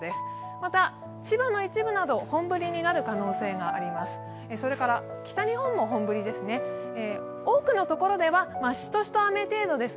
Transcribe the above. また、千葉の一部など本降りになる可能性があります。